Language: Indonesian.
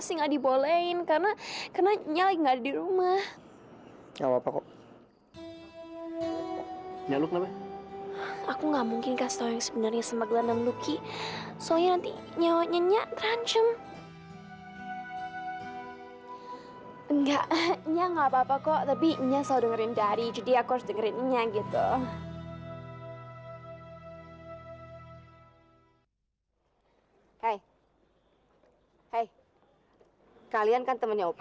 saya harus berterima kasih karena